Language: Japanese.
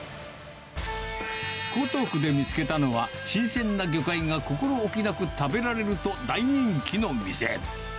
江東区で見つけたのは、新鮮な魚介が心置きなく食べられると大人気の店。